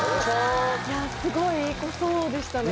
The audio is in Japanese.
すごいいい子そうでしたね